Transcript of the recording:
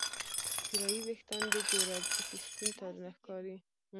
طلایې ویښان دې ګوره پکې سپین تارونه ښکاري